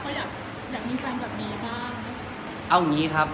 เขาอยากมีแฟนแบบนี้ค่ะ